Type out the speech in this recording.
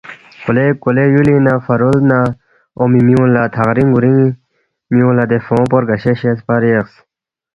کولے کولے یولینگ نہ فیرول نہ اونگمی میونگ لا تھقرینگ گورینگی میونگ لا دے فونگ پو رگشے شیس پا ریقس۔